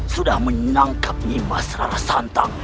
sudah menangkap nyimah serara santang